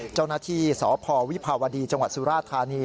เจ้าหน้าที่สพวิภาวดีจังหวัดสุราธานี